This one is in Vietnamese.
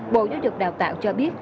bộ giáo dục đào tạo cho biết